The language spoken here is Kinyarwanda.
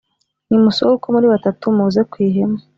Nimusohoke uko muri batatu muze ku ihema